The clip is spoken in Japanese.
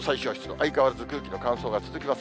相変わらず空気の乾燥が続きます。